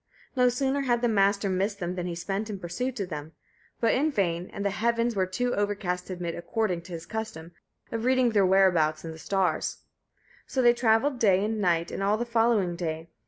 No sooner had the Master missed them than he sent in pursuit of them; but in vain, and the heavens were too overcast to admit, according to his custom, of reading their whereabouts in the stars. So they traveled day and night and all the following day.